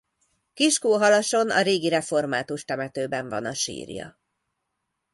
Kiskunhalason a régi református temetőben van a sírja.